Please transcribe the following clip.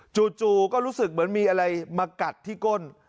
จู่ก็รู้สึกเหมือนมีอะไรมากัดที่ก้น